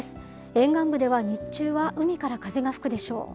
沿岸部では日中は海から風が吹くでしょう。